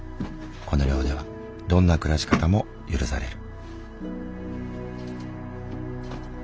この寮ではどんな暮らし方も許される。